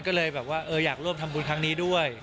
ก็เลยแบบว่าอยากร่วมทำบุญครั้งนี้ด้วย